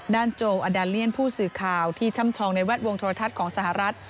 โจอดาเลียนผู้สื่อข่าวที่ช่ำชองในแวดวงโทรทัศน์ของสหรัฐ